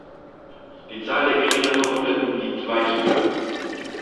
Die Zahl der geringer Verwundeten liegt weit höher.